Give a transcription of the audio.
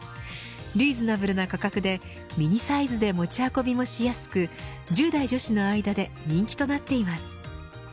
リーズナブルな価格でミニサイズで持ち運びもしやすく１０代女子の間で人気となっています。